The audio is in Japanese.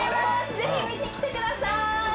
ぜひ見に来てください！